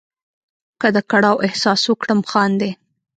که د کړاو احساس وکړم خاندې.